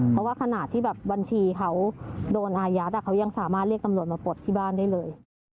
เพราะว่าขนาดที่แบบบัญชีเขาโดนอายัดเขายังสามารถเรียกตำรวจมาปลดที่บ้านได้เลย